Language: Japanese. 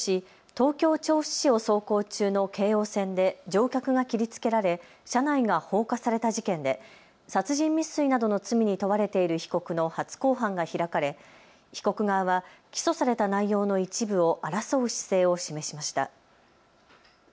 東京調布市を走行中の京王線で乗客が切りつけられ車内が放火された事件で殺人未遂などの罪に問われている被告の初公判が開かれ被告側は起訴された内容の一部を争う姿勢を示しました。